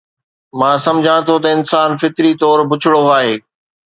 مان سمجهان ٿو ته انسان فطري طور بڇڙو آهي